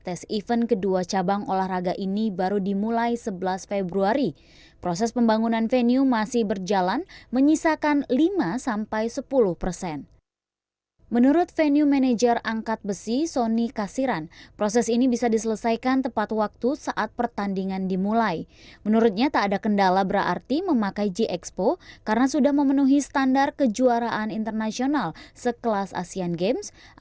tim putih terbaik dari ketiga tim